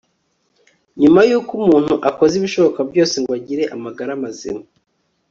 nyuma y'uko umuntu akoze ibishoboka byose ngo agire amagara mazima